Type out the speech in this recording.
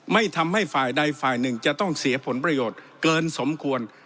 ไม่ทำให้ฝ่ายใดฝ่ายหนึ่งจะต้องเสียผลประโยชน์เกินสมควร